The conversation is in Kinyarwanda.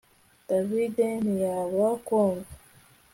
David ntiyabura kumva